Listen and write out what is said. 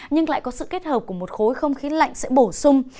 nhưng lại có sự kết hợp của một khối không khí lạnh sẽ bổ sung